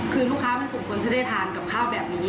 คือลูกค้ามันสมควรจะได้ทานกับข้าวแบบนี้